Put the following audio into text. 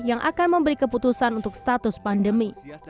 yang akan memberi keputusan untuk status pandemi